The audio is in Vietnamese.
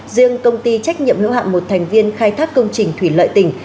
riêng công ty trách nhiệm hữu hạm một thành viên khai thác công trình thủy lợi tỉnh